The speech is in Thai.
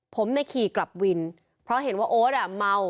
ผมมาขี่กลับวินเพราะเห็นว่าโอ๊ดอ่ะเมิว